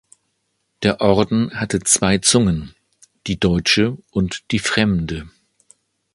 Der Orden hatte zwei „Zungen“, die deutsche und die fremde.